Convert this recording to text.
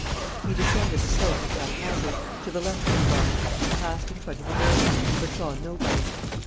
He descended the slope at haphazard, to the left of the barn, and passed in front of the building, but saw nobody.